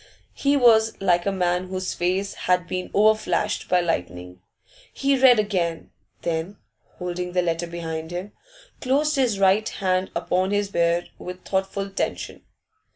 He was like a man whose face had been overflashed by lightning. He read again, then, holding the letter behind him, closed his right hand upon his beard with thoughtful tension.